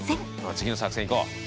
次の作戦いこう！